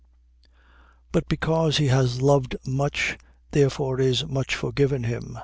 But because he has loved much, therefore is much forgiven him.